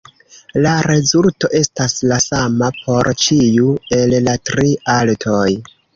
La rezulto estas la sama por ĉiu el la tri altoj.